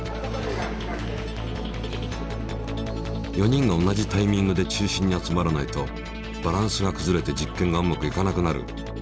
４人が同じタイミングで中心に集まらないとバランスがくずれて実験がうまくいかなくなる。